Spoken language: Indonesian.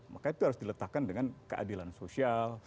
maka itu harus diletakkan dengan keadilan sosial